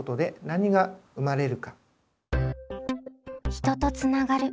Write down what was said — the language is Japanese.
「人とつながる」。